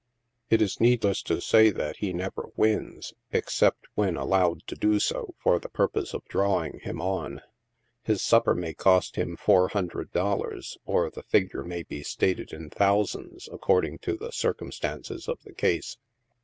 It is needless to say that he nev^er wins, except when allowed to do so, for the purpose of drawing him on. His supper may cost him four hundred dollars, or the figure may be stated in thousands, according to the circumstances of the case.